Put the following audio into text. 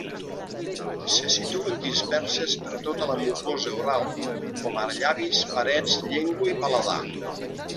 Se situen disperses per tota la mucosa oral, com ara llavis, parets, llengua i paladar.